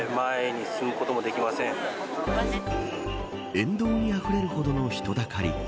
沿道にあふれるほどの人だかり。